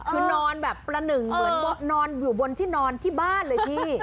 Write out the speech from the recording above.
คือนอนแบบประหนึ่งเหมือนนอนอยู่บนที่นอนที่บ้านเลยพี่